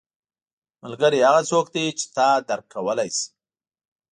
• ملګری هغه څوک دی چې تا درک کولی شي.